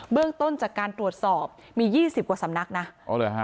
เรื่องต้นจากการตรวจสอบมียี่สิบกว่าสำนักนะอ๋อเหรอฮะ